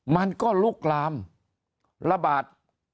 มันก็ลุกลามระบาด